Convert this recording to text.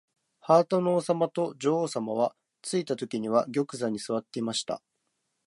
ハートの王さまと女王さまは、ついたときには玉座にすわっていました。